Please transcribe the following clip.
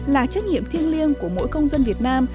là trách nhiệm thiêng liêng của mỗi công dân việt nam